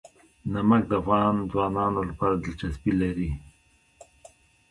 نمک د افغان ځوانانو لپاره دلچسپي لري.